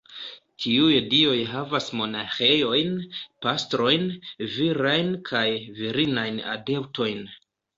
Tiuj dioj havas monaĥejojn, pastrojn, virajn kaj virinajn adeptojn.